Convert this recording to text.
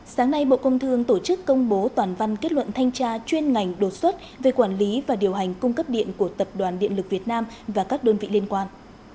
sáng nay bộ công thương tổ chức công bố toàn văn kết luận thanh tra chuyên ngành đột xuất về quản lý và điều hành cung cấp điện của tập đoàn điện lực việt nam và các đơn vị liên quan